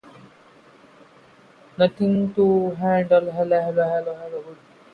Once again, he played only a limited role in the parliament which followed.